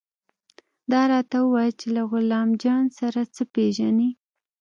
دا راته ووايه چې له غلام جان سره څه پېژنې.